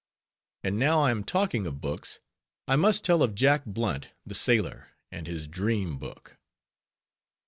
And now I am talking of books, I must tell of Jack Blunt the sailor, and his Dream Book.